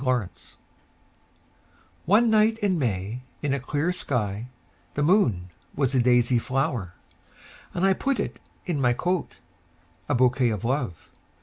My Flower ONE night in May in a clear skyThe moon was a daisy flower:And! put it in my coat,A bouquet of Love!